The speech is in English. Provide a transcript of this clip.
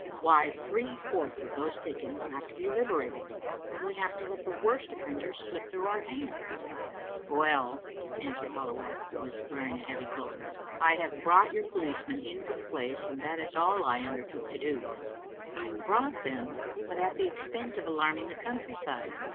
Why, three fourths of those taken will have to be liberated, and we have let the worst offenders slip through our hands." Digitized by VjOOQ IC 54 xcbe Xlttle ilSfni0ter« "Well," answered Halliwell, who was wearing a heavy cloak, " I have brought your policemen into the place, and that is all I undertook to do. "" You brought them, but at the expense of alarming the country side.